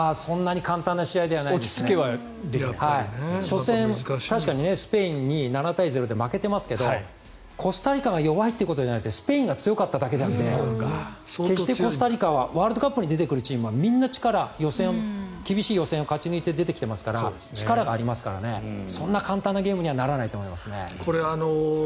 初戦、確かにスペインに７対０で負けてるんですがコスタリカが弱いってことじゃなくてスペインが強かっただけであって決してコスタリカはワールドカップに出てくるチームはみんな厳しい予選を勝ち抜いて来ていますから力がありますからねそんな簡単なゲームにはならないと思いますね。